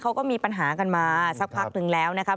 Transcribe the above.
เขาก็มีปัญหากันมาสักพักนึงแล้วนะคะ